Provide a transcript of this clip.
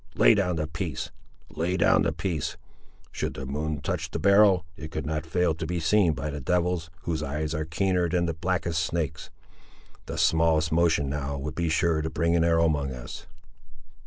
lay down the piece—lay down the piece—should the moon touch the barrel, it could not fail to be seen by the devils, whose eyes are keener than the blackest snake's! The smallest motion, now, would be sure to bring an arrow among us."